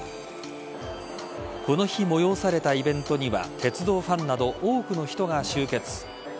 この日、催されたイベントには鉄道ファンなど多くの人が集結。